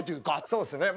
そうですね。